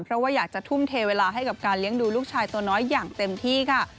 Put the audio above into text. เพราะว่าอยากจะทุ่มเทเวลาให้กับการเลี้ยงดูลูกชายตัวน้อยอย่างเต็มที่ค่ะ